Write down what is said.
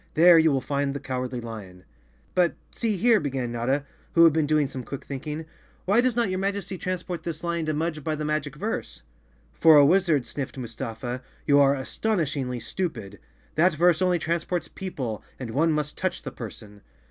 There you will find thfe Cowardly Lion." "But, see here," began Notta, who had been doing some quick thinking, "why does not your Majesty transport this lion to Mudge by the magic verse?" "For a wizard," sniffed Mustafa, "you are aston¬ ishingly stupid. That verse only transports people, and one must touch the person."